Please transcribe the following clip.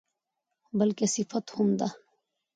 بلکې صفت هم ده.